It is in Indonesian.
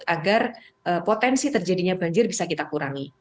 agar potensi terjadinya banjir bisa kita kurangi